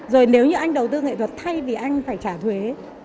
rồi nếu như anh đầu tư nghệ thuật thay vì anh phải trả thuế